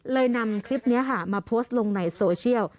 นำคลิปนี้ค่ะมาโพสต์ลงในโซเชียล